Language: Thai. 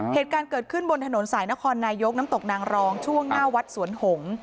เหตุการณ์เกิดขึ้นบนถนนสายนครนายกน้ำตกนางรองช่วงหน้าวัดสวนหงษ์